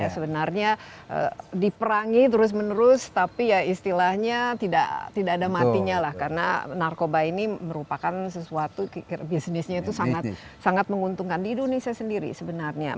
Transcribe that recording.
sebenarnya diperangi terus menerus tapi ya istilahnya tidak ada matinya lah karena narkoba ini merupakan sesuatu bisnisnya itu sangat menguntungkan di indonesia sendiri sebenarnya